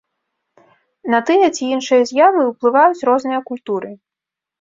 На тыя ці іншыя з'явы ўплываюць розныя культуры.